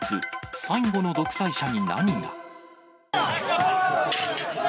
最後の独裁者に何が？